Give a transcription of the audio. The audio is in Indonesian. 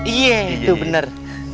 iya itu bener